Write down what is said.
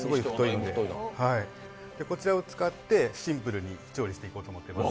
こちらを使ってシンプルに調理していこうと思います。